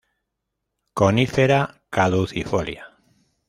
Conífera caducifolia.